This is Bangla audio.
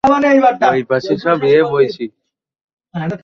এটা ইচ্ছাকৃত ছিল না।